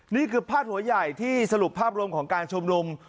นี่คือพาดหัวใหญ่ที่สรุปภาพรวมของการชุมนุม